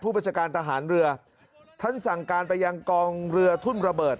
ประชาการทหารเรือท่านสั่งการไปยังกองเรือทุ่นระเบิด